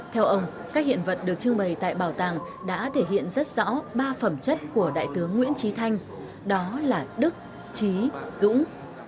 theo ông các hiện vật được trưng bày tại bảo tàng đã thể hiện rất rõ ba phẩm chất của đại tướng nguyễn trí thanh đó là đức trí dũng